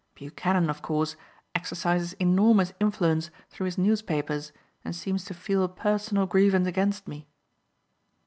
Buchanan, of course, exercises enormous influence through his newspapers and seems to feel a personal grievance against me."